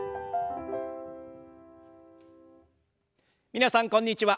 皆さんこんにちは。